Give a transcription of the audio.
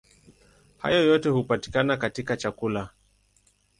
Hayo yote hupatikana katika chakula.